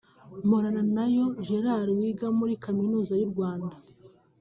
Mporananayo Gerard wiga muri Kaminuza y’u Rwanda